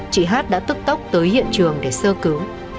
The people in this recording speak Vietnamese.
chị hát đã tức tốc tới hiện trường để sơ cứu